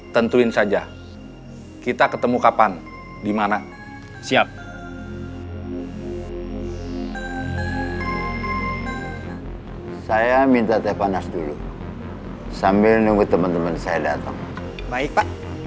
terus kita akan menyerang lawan ke rumahnya